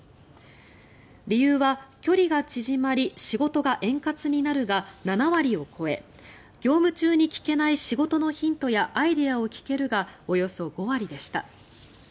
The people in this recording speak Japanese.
理由は、距離が縮まり仕事が円滑になるが７割を超え業務中に聞けない仕事のヒントやアイデアが聞けるがおよそ５割でした。